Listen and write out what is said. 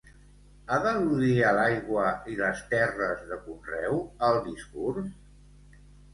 Ha d'al·ludir a l'aigua i les terres de conreu el discurs?